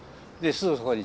すぐそこに？